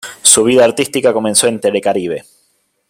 Su vida artística comenzó en Telecaribe.